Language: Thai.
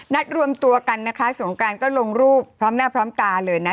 รวมตัวกันนะคะสงการก็ลงรูปพร้อมหน้าพร้อมตาเลยนะ